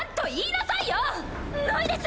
ないです！